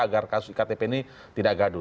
agar kasus iktp ini tidak gaduh